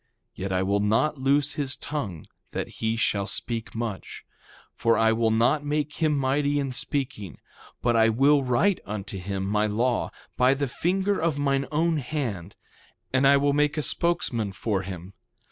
Yet I will not loose his tongue, that he shall speak much, for I will not make him mighty in speaking. But I will write unto him my law, by the finger of mine own hand; and I will make a spokesman for him.